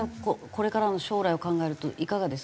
これからの将来を考えるといかがですか？